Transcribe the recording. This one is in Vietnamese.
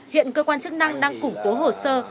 hiện cơ quan chức năng đang củng cố hồ sơ